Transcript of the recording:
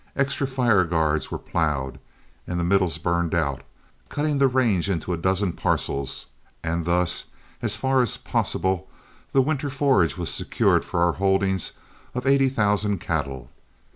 Extra fire guards were plowed, and the middles burned out, cutting the range into a dozen parcels, and thus, as far as possible, the winter forage was secured for our holdings of eighty thousand cattle.